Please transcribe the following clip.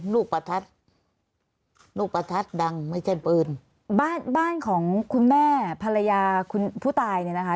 ประทัดลูกประทัดดังไม่ใช่ปืนบ้านบ้านของคุณแม่ภรรยาคุณผู้ตายเนี่ยนะคะ